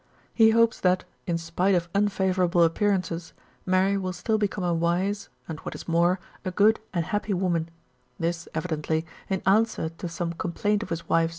He hopes that, in spite of unfavourable appearances, Mary will still become a wise, and, what is more, a good and happy woman ; this, evidently, in answer to some complaint of his wife.